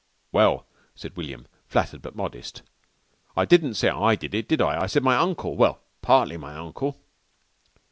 "Well," said William, flattered but modest, "I didn't say I did it, did I? I said my uncle well, partly my uncle."